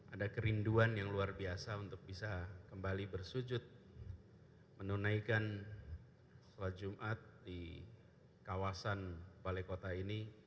ada kerinduan yang luar biasa untuk bisa kembali bersujud menunaikan sholat jumat di kawasan balai kota ini